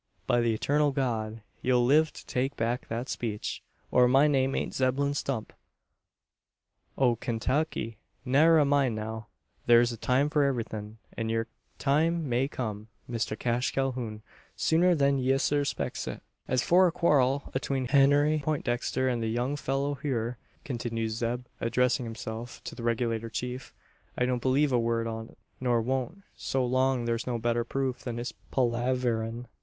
By the eturnal God! ye'll live to take back that speech, or my name aint Zeblun Stump, o' Kaintucky. Ne'er a mind now; thur's a time for everythin', an yur time may come, Mister Cash Calhoun, sooner than ye surspecks it." "As for a quarrel atween Henry Peintdexter an the young fellur hyur," continues Zeb, addressing himself to the Regulator Chief, "I don't believe a word on't; nor won't, so long's thur's no better proof than his palaverin'.